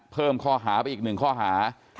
เพิ่มข้อหาไปอีกหนึ่งข้อหา